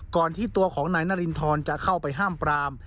ที่ตัวของนายนารินทรจะเข้าไปห้ามปราม